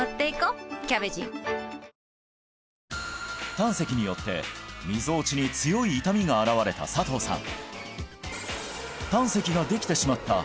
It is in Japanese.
胆石によってみぞおちに強い痛みが現れた佐藤さん